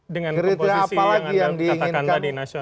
dengan komposisi yang anda katakan tadi nasionalist religious